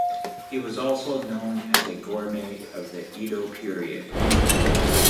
He was also known as a gourmet of the Edo period.